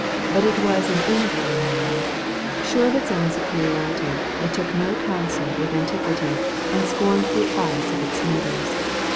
But it was an ingrowing mind. Sure of its own superiority, it took no coimsel with antiquity and scorned the advice of its neighbors.